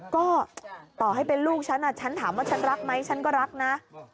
ก็ต่อให้เป็นลูกฉันฉันถามว่าฉันรักไหมฉันก็รักนะ